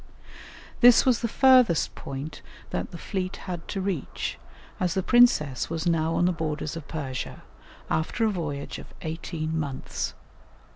This was the furthest point that the fleet had to reach, as the princess was now on the borders of Persia, after a voyage of eighteen months.